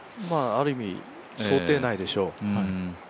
ある意味、想定内でしょう。